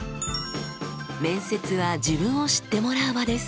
面接は自分を知ってもらう場です。